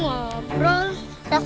aku mau lihat